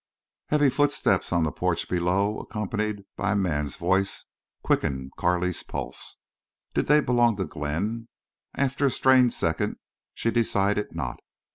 Heavy footsteps upon the porch below accompanied by a man's voice quickened Carley's pulse. Did they belong to Glenn? After a strained second she decided not.